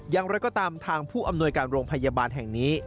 อย่างไรก็ตามทางผู้อำนวยการโรงพยาบาลแห่งนี้